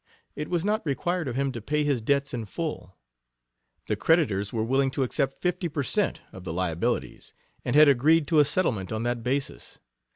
It was not required of him to pay his debts in full. The creditors were willing to accept fifty per cent. of the liabilities, and had agreed to a settlement on that basis.